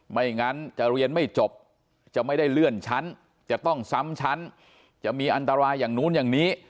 ไม่งั้นจะเรียนไม่จบจะไม่ได้เลื่อนชั้นจะต้องซ้ำชั้นจะมีอันตรายอย่างนู้นอย่างนี้